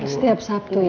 setiap sabtu ya